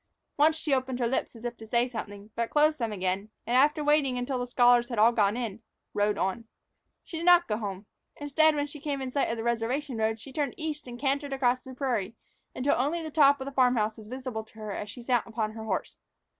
Once she opened her lips as if to say something, but closed them again, and, after waiting until the scholars had all gone in, rode on. She did not go home; instead, when she came in sight of the reservation road, she turned east and cantered across the prairie until only the top of the farm house was visible to her as she sat upon her horse.